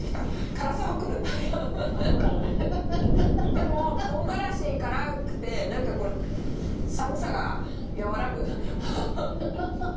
でも唐辛子辛くて何かこれ寒さが和らぐ。